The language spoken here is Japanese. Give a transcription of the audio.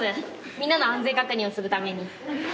みんなの安全確認をするために。